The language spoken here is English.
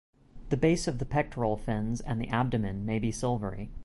The base of the pectoral fins and the abdomen may be silvery.